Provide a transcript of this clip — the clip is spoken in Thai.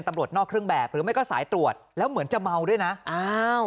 ตำรวจนอกเครื่องแบบหรือไม่ก็สายตรวจแล้วเหมือนจะเมาด้วยนะอ้าว